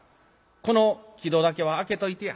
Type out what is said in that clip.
この木戸だけは開けといてや」。